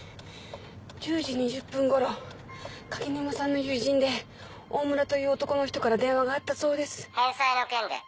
１０時２０分頃垣沼さんの友人でオオムラという男の人から電話があったそうです。